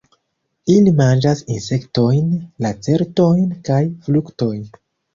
Ili manĝas insektojn, lacertojn kaj fruktojn.